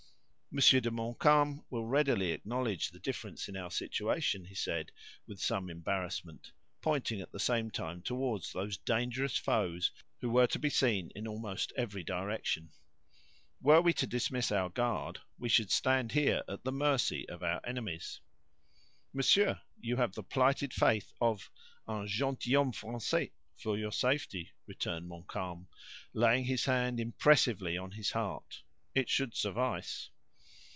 "Monsieur de Montcalm will readily acknowledge the difference in our situation," he said, with some embarrassment, pointing at the same time toward those dangerous foes, who were to be seen in almost every direction. "Were we to dismiss our guard, we should stand here at the mercy of our enemies." "Monsieur, you have the plighted faith of 'un gentilhomme Français', for your safety," returned Montcalm, laying his hand impressively on his heart; "it should suffice."